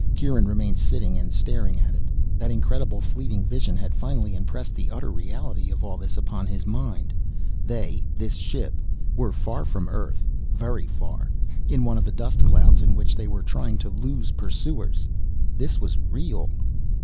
Kieran remained sitting and staring at it. That incredible fleeting vision had finally impressed the utter reality of all this upon his mind. They, this ship, were far from Earth very far, in one of the dust clouds in which they were trying to lose pursuers. This was real.